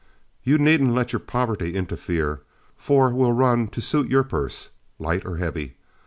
You needn't let your poverty interfere, for we'll run you to suit your purse, light or heavy.